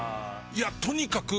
いやとにかく。